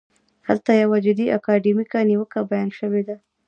هلته یوه جدي اکاډمیکه نیوکه بیان شوې ده.